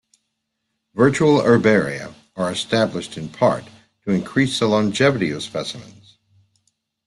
Virtual herbaria are established in part to increase the longevity of specimens.